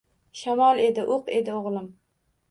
Shamol edi, o’q edi o’g’lim